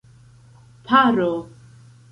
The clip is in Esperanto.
paro